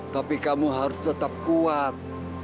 tapi kamu harus tetap kuat